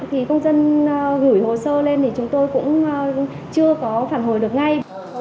thì công dân gửi hồ sơ lên thì chúng tôi cũng chưa có phản hồi được ngay